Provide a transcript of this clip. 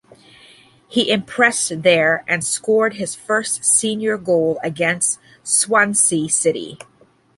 He impressed there, and scored his first senior goal against Swansea City.